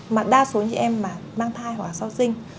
mà đa số những chị em mà mang thai hoặc sau sinh